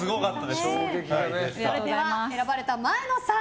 それでは選ばれた前野さん